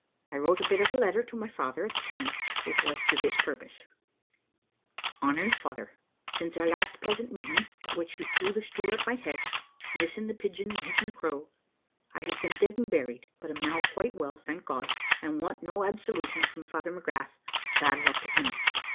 I wrote a bit of a letter to my father at the time, which was to this purpose: "`HONOURED FATHER, Since our last pleasant meeting, at which you threw the stool at my head, missing the pigeon and hitting the crow, I have been dead and buried, but am now quite well, thank God, and want no absolution from Father McGrath, bad luck to him.